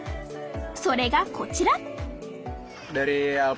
それがこちら！